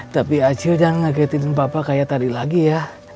tapi cil jangan ngegetin bapak kayak tadi lagi ya